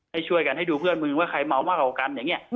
ให้ช่วยกันให้ดูเพื่อนมึงว่าใครเมามากกว่ากันอย่างนี้